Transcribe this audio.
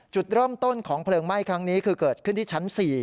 จุดเริ่มต้นของเพลิงไหม้ครั้งนี้คือเกิดขึ้นที่ชั้น๔